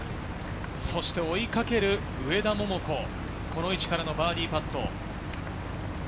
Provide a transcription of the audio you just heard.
追いかける上田桃子、この位置からのバーディーパット。